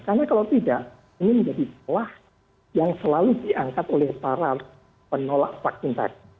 karena kalau tidak ini menjadi kelah yang selalu diangkat oleh para penolak vaksin